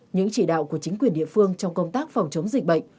những chỉ đạo của chính quyền địa phương trong công tác phòng chống dịch bệnh